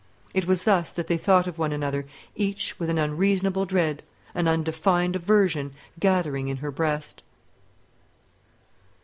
It was thus that they thought of one another; each with an unreasonable dread, an undefined aversion gathering in her breast.